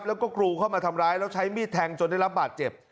แล้วก็กรูเข้ามาทำร้ายแล้วใช้มีดแทงจนได้รับบาดเจ็บ